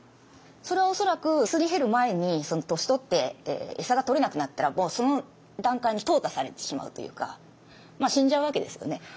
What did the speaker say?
それは恐らくすり減る前に年取って餌がとれなくなったらもうその段階に淘汰されてしまうというかまあ死んじゃうわけですよね。